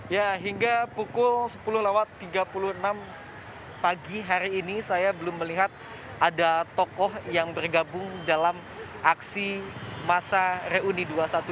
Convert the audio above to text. ya hingga pukul sepuluh tiga puluh enam pagi hari ini saya belum melihat ada tokoh yang bergabung dalam aksi masa reuni dua ratus dua belas